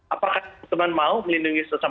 apakah teman teman mau melindungi semua orang